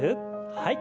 はい。